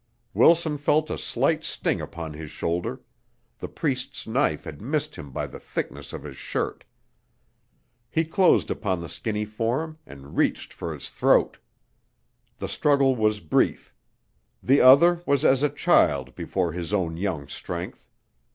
Wilson felt a slight sting upon his shoulder; the Priest's knife had missed him by the thickness of his shirt. He closed upon the skinny form and reached for his throat. The struggle was brief; the other was as a child before his own young strength.